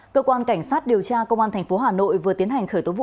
cơ quan cảnh sát điều tra công an thành phố hà nội vừa tiến hành khởi tố vụ án